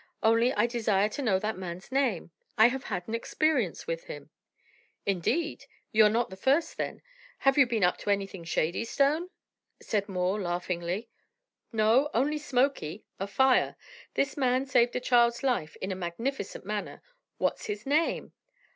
Only I desire to know that man's name. I have had an experience with him." "Indeed! You're not the first, then; have you been up to anything shady, Stone?" said Moore, laughingly. "No, only smoky a fire. This man saved a child's life in a magnificent manner. What's his name?"